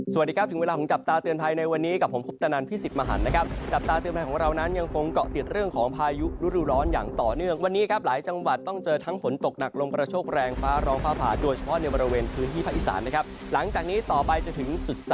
สวัสดีครับถึงเวลาของจับตาเตือนภัยในวันนี้กับผมคุปตนันพิสิทธิ์มหันนะครับจับตาเตือนภัยของเรานั้นยังคงเกาะติดเรื่องของพายุฤดูร้อนอย่างต่อเนื่องวันนี้ครับหลายจังหวัดต้องเจอทั้งฝนตกหนักลมกระโชคแรงฟ้าร้องฟ้าผ่าโดยเฉพาะในบริเวณพื้นที่ภาคอีสานนะครับหลังจากนี้ต่อไปจนถึงสุ